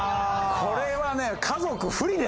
これはね。